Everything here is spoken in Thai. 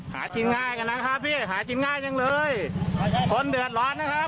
หากินง่ายกันแล้วครับพี่หากินง่ายจังเลยคนเดือดร้อนนะครับ